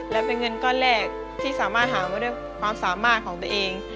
และเป็นเงินก้อนแรกที่สามารถหามาด้วยความสามารถของตัวเอง